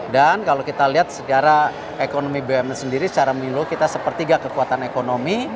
dan kalau kita lihat secara ekonomi bumn sendiri secara milu kita sepertiga kekuatan ekonomi